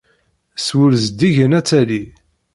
S wul zeddigen ad tali.